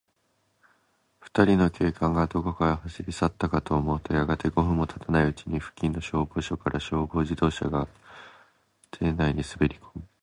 ふたりの警官が、どこかへ走りさったかと思うと、やがて、五分もたたないうちに、付近の消防署から、消防自動車が邸内にすべりこみ、